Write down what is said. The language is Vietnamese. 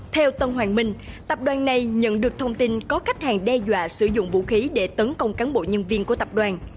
theo tân hoàng minh tập đoàn này nhận được thông tin có khách hàng đe dọa sử dụng vũ khí để tấn công cán bộ nhân viên của tập đoàn